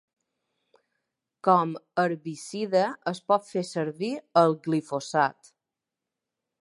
Com herbicida es pot fer servir el glifosat.